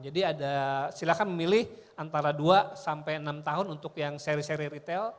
jadi silahkan memilih antara dua sampai enam tahun untuk yang seri seri retail